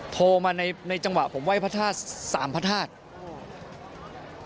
โทรมาในจังหวะผมไว้พระธาตุ๓พระธาตุ